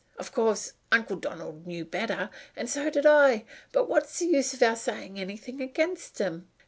Of course, Uncle Donald knew better, and so did I; but what's the use of our saying anything against him?